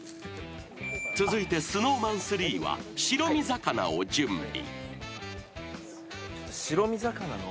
［続いてＳｎｏｗＭａｎ３は白身魚を準備］